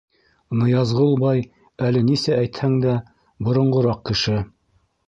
Ныязғол бай, әле нисә әйтһәң дә, боронғораҡ кеше.